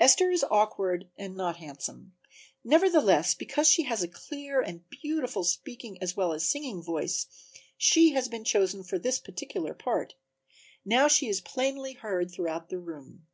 Esther is awkward and not handsome; nevertheless, because she has a clear and beautiful speaking as well as singing voice she had been chosen for this particular part. Now she is plainly heard throughout the room.